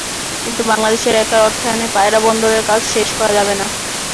কিন্তু বাংলাদেশের একার অর্থায়নে পায়রা বন্দরের কাজ শেষ করা যাবে না।